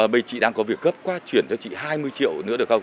bây chị đang có việc cấp qua chuyển cho chị hai mươi triệu nữa được không